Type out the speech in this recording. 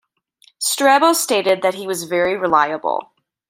Strabo stated that he was very reliable.